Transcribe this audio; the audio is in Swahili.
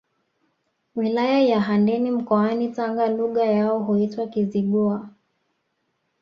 Wilaya ya Handeni mkoani Tanga Lugha yao huitwa Kizigua